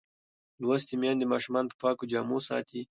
لوستې میندې ماشومان په پاکو جامو ساتي.